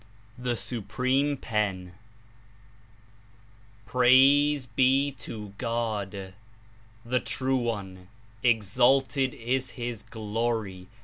80 THE 8UPREME PEX "Praise be to God! The True One — exalted is His Glory